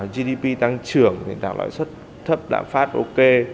gdp tăng trưởng nền tảng loại xuất thấp đảm phát ok